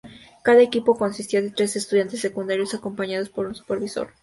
Cada equipo consistía de tres estudiantes secundarios acompañados por un supervisor.